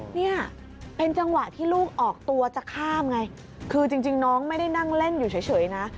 เนี่ยเป็นจังหวะที่ลูกออกตัวจะข้ามไงคือจริงน้องไม่ได้นั่งเล่นอยู่เฉยนะ